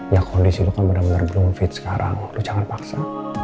ya kondisi lu kan bener bener belum fit sekarang lu jangan paksa